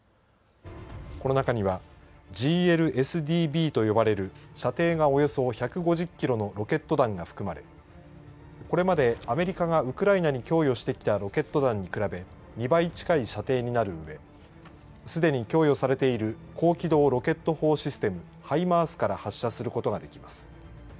この中にはＧＬＳＤＢと呼ばれる射程がおよそ１５０キロのロケット弾が含まれこれまでアメリカがウクライナに供与してきたロケット弾に比べ２倍近い射程になる上すでに供与されている高機動ロケット砲システム＝ハイマースから発射することができます。